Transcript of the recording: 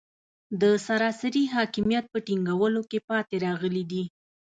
د سراسري حاکمیت په ټینګولو کې پاتې راغلي دي.